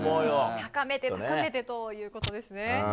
高めてということですね。